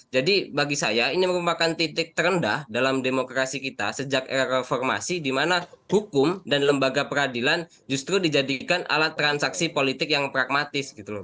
jadi bagi saya ini merupakan titik terendah dalam demokrasi kita sejak era reformasi di mana hukum dan lembaga peradilan justru dijadikan alat transaksi politik yang pragmatis gitu loh